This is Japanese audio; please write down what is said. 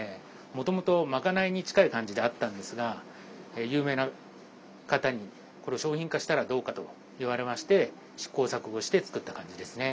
もともと賄いに近い感じであったんですが有名な方にこれを商品化したらどうかと言われまして試行錯誤して作った感じですね。